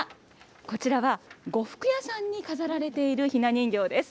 こちらは、呉服屋さんに飾られているひな人形です。